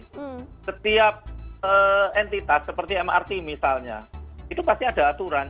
jadi setiap entitas seperti mrt misalnya itu pasti ada aturan